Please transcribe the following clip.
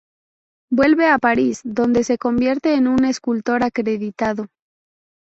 Vuelve a París donde se convierte en un escultor acreditado.